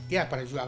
ya paling suamanya